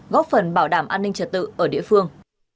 góp phần bảo đảm an ninh trật tự ở địa phương